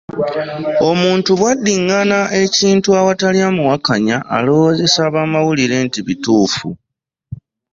Omuntu bw'addingana ekintu awatali amuwakanya alowoozesa abamuwulira nti bituufu